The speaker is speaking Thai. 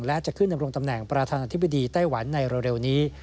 และจะขึ้นดำรงตำแหน่งประธานาธิบดีไต้หวันในเร็วนี้